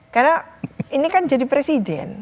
karena ini kan jadi presiden